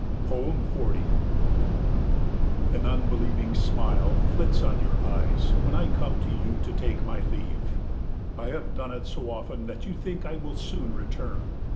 40 An unbelieving smile flits on your eyes when I come to you to take my leave. I have done it so often that you think I will soon return.